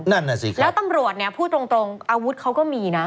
นั่นน่ะสิครับแล้วตำรวจเนี่ยพูดตรงอาวุธเขาก็มีนะ